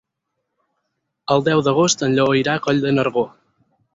El deu d'agost en Lleó irà a Coll de Nargó.